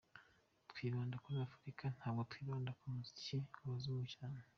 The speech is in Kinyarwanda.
Twibanda kuri Afurika ntabwo twibanda ku muziki w’abazungu cyane.